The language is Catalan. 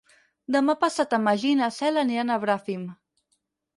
Demà passat en Magí i na Cel aniran a Bràfim.